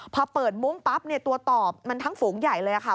พอเปิดมุ้งปั๊บตัวตอบมันทั้งฝูงใหญ่เลยค่ะ